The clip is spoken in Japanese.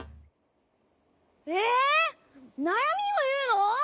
えなやみをいうの？